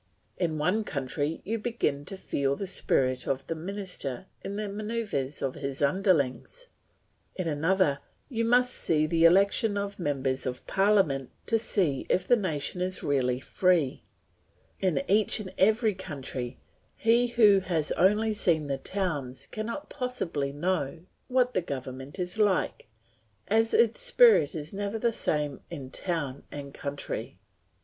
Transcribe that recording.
In one country you begin to feel the spirit of the minister in the manoeuvres of his underlings; in another you must see the election of members of parliament to see if the nation is really free; in each and every country, he who has only seen the towns cannot possibly know what the government is like, as its spirit is never the same in town and country.